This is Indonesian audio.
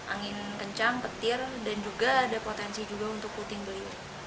angin kencang petir dan juga ada potensi juga untuk puting beli